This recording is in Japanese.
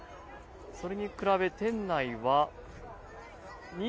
それに比べ店内は２８度。